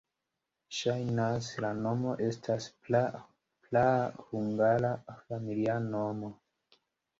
Ŝajnas, la nomo estas praa hungara familia nomo.